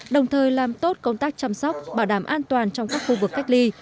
đồng thời làm tốt công tác chăm sóc bảo đảm an toàn trong các khu vực cách ly